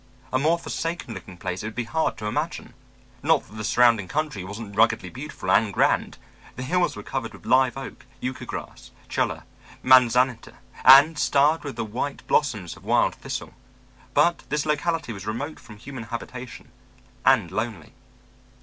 A more forsaken looking place it would be hard to imagine. Not that the surrounding country wasn't ruggedly beautiful and grand; the hills were covered with live oak, yucca grass, chulla, manzanita, and starred with the white blossoms of wild thistle. But this locality was remote from human habitation, and lonely.